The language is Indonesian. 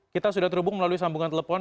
kita sudah terhubung melalui sambungan telepon